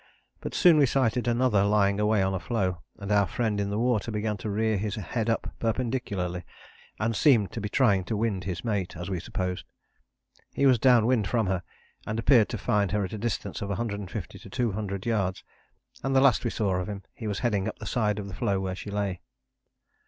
But soon we sighted another lying away on a floe, and our friend in the water began to rear his head up perpendicularly, and seemed to be trying to wind his mate, as we supposed. He was down wind from her, and appeared to find her at a distance of 150 to 200 yards, and the last we saw of him he was heading up the side of the floe where she lay.